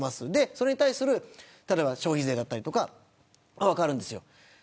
それに対する消費税だったりとかそれは分かるんですよ。